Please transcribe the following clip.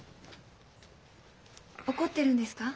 怒ってるんですか？